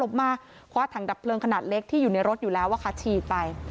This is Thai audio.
เพราะว่าถังดับเผลิงขนาดเล็กที่อยู่ในรถอยู่แล้วขาดฉีดไป